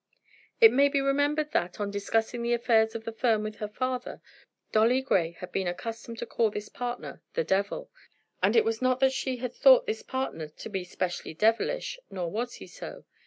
It may be remembered that, on discussing the affairs of the firm with her father, Dolly Grey had been accustomed to call this partner "the Devil." It was not that she had thought this partner to be specially devilish, nor was he so.